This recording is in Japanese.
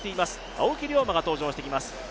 青木涼真が登場してきます。